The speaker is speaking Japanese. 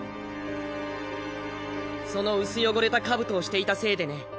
その薄汚れた冑をしていたせいでね。